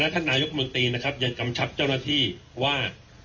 ท่านนายกมนตรีนะครับยังกำชับเจ้าหน้าที่ว่า